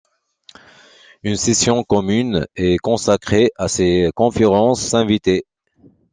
Une session commune est consacrée à ces conférences invitées.